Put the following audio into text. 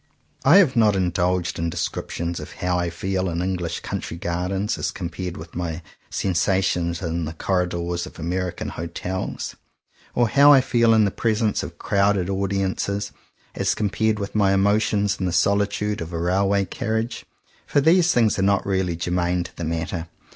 I have not indulged in descriptions of how I feel in English country gardens, as compared with my sensations in the cor ridors of American hotels; or how I feel 40 JOHN COWPER POWYS in the presence of crowded audiences, as compared with my emotions in the soHtude of a railway carriage: for these things are not really germane to the matter.